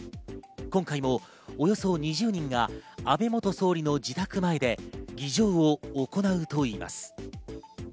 今回もおよそ２０人が安倍元総理の自宅前で儀仗を行うといいます。